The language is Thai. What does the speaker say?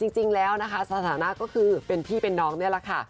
จริงแล้วนะคะสถานะก็คือเป็นพี่เป็นน้องนี่แหละค่ะ